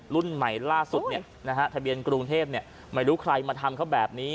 รุ่นใหม่ล่าสุดทะเบียนกรุงเทพไม่รู้ใครมาทำเขาแบบนี้